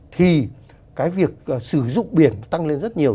thì cái việc sử dụng biển tăng lên rất nhiều